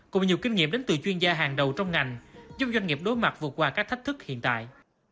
cùng nhiều kinh nghiệm đến từ chuyên gia hàng đầu trong ngành giúp doanh nghiệp đối mặt vượt qua các thách thức hiện tại